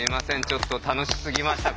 ちょっと楽しすぎました